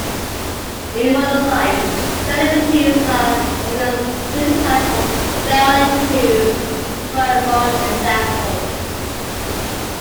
In modern life, celebrities are often criticized for failing to provide moral examples.